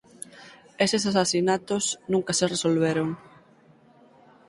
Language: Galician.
Eses asasinatos nunca se resolveron.